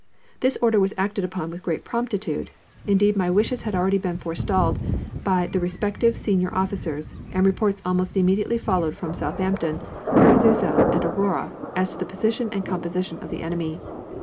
This order was acted upon with great promptitude, indeed my wishes had already been forestalled by the respective senior officers, and reports almost immediately followed from the Southampton, Arethusa, and Aurora as to the position and composition of the enemy.